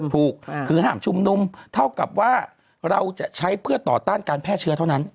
ถูกคือห้ามชุมนุมเท่ากับว่าเราจะใช้เพื่อต่อต้านการแพร่เชื้อเท่านั้น